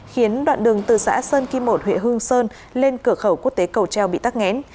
khiến đoạn đường từ xã sơn kim một huyện hương sơn lên cửa khẩu quốc tế cầu treo bị tắt nghẽn